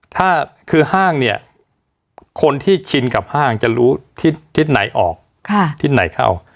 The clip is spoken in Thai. ถ้าคือห้างเนี่ยคนที่ชินกับห้างจะรู้ทิศไหนออกทิศไหนเข้า